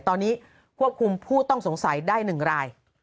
ตอนนี้ควบคุมผู้ต้องสงสัยได้๑ราย